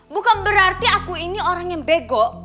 bukan berarti aku ini orang yang bego